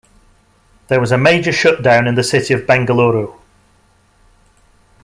There was major shutdown in the city of Bengaluru.